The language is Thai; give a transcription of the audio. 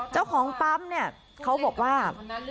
เจ้าของปั๊มเนี่ยเขาบอกว่า